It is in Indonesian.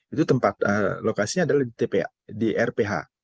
itu tempat lokasinya adalah di rph